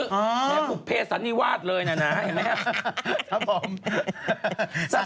แม่บุภเพสันนิวาสเลยนะเห็นไหมครับผม